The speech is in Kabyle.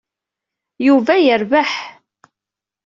Yuba yerbeḥ.